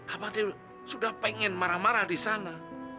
abah sudah pengen marah marah disana